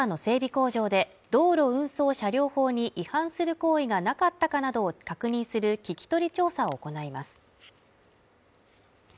工場で道路運送車両法に違反する行為がなかったかなどを確認する聞き取り調査を行います